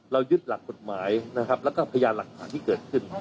ยึดหลักกฎหมายนะครับแล้วก็พยานหลักฐานที่เกิดขึ้น